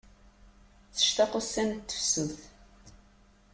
Tectaq ussan n tefsut.